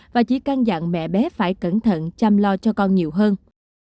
và chỉ căn dặn mẹ bé phải cẩn thận chăm lo cho con nhiều hơn